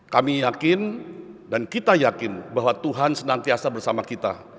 kami yakin dan kita yakin bahwa tuhan senantiasa bersama kita